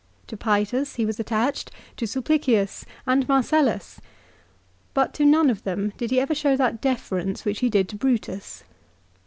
To Paetus he was attached, to Sulpicius and Marcellus. But to none of them did he ever show that deference which he did to Brutus.